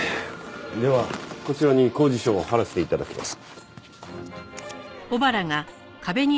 ではこちらに公示書を貼らせて頂きます。